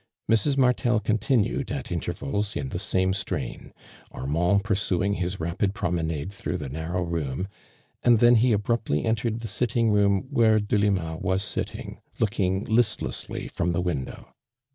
Mrs. Martel continued at intervals, in tlie same strain, Armand pur suing his rapid promenade through the narrow room, and then he abruptly entered the sitting room where Delima was sitting, looking listlessly from the window.